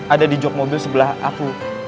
ada di jog mobil sebelah aku